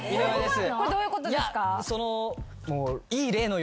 これどういうことですか？